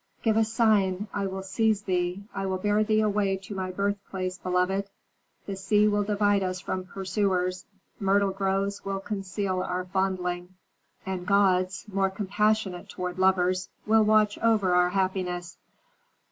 "Give a sign; I will seize thee, I will bear thee away to my birthplace, beloved. The sea will divide us from pursuers, myrtle groves will conceal our fondling, and gods, more compassionate toward lovers, will watch over our happiness."